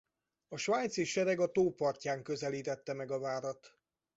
A svájci sereg a tó partján közelítette meg a várat.